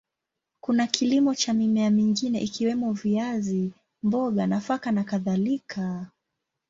Kuna kilimo cha mimea mingine ikiwemo viazi, mboga, nafaka na kadhalika.